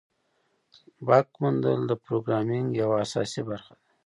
بګ موندل د پروګرامینګ یوه اساسي برخه ده.